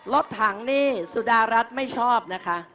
รถถังนี่สุดารัฐไม่ชอบนะคะ